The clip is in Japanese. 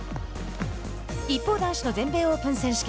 一方、男子の全米オープン選手権。